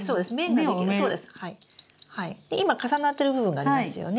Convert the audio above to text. で今重なってる部分がありますよね？